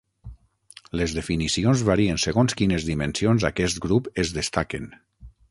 Les definicions varien segons quines dimensions aquest grup es destaquen.